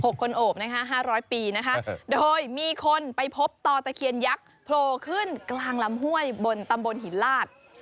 ๖คนโอบ๕๐๐ปีโดยมีคนไปพบตอตะเคียนยักษ์โผล่ขึ้นกลางลำห้วยบนตำบลหินลาด